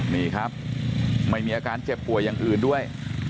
นี่ครับไม่มีอาการเจ็บป่วยอย่างอื่นด้วย